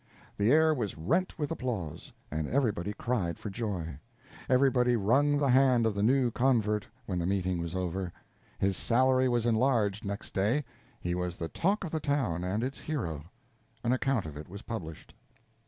The air was rent with applause, and everybody cried for joy. Everybody wrung the hand of the new convert when the meeting was over; his salary was enlarged next day; he was the talk of the town, and its hero. An account of it was published.